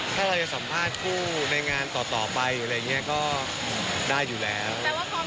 ถ้าเราจะสัมภาษณ์คู่ในงานต่อไปหรืออะไรอย่างนี้ก็ได้อยู่แล้ว